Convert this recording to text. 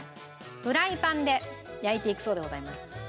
フライパンで焼いていくそうでございます。